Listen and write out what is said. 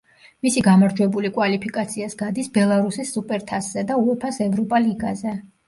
მისი გამარჯვებული კვალიფიკაციას გადის ბელარუსის სუპერთასზე და უეფა-ს ევროპა ლიგაზე.